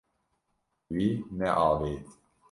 Wî neavêt.